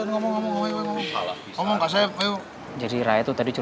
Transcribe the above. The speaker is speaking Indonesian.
nanti abah yang rayu rayu